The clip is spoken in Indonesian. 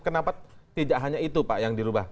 kenapa tidak hanya itu pak yang dirubah